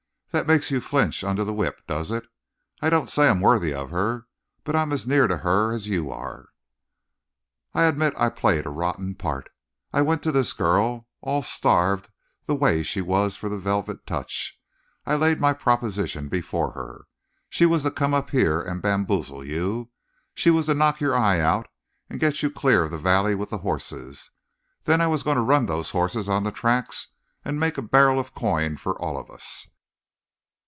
That makes you flinch under the whip, does it? I don't say I'm worthy of her, but I'm as near to her as you are. "I admit I played a rotten part. I went to this girl, all starved the way she was for the velvet touch. I laid my proposition before her. She was to come up here and bamboozle you. She was to knock your eye out and get you clear of the valley with the horses. Then I was going to run those horses on the tracks and make a barrel of coin for all of us.